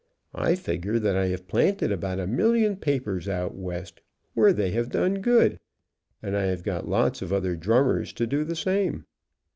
I figure that I have planted about a million papers out West where'they have done good, and I have got lets of other drummers to do the same.